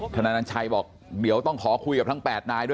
นายนันชัยบอกเดี๋ยวต้องขอคุยกับทั้ง๘นายด้วย